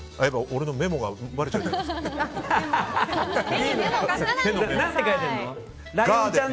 俺のメモがばれちゃう。